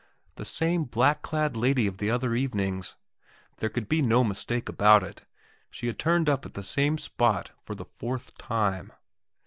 The same black clad lady of the other evenings. There could be no mistake about it; she had turned up at the same spot for the fourth time.